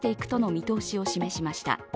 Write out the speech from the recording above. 見通しを示しました。